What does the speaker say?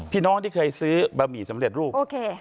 พี่น้องที่เคยซื้อบะหมี่สำเร็จรูปโอเค